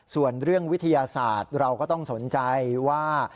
ส่วนเรื่องวิทยาศาสตร์เราก็ต้องสนใจว่า